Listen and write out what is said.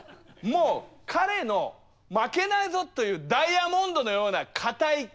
もう彼の「負けないぞ」というダイヤモンドのような固い決意。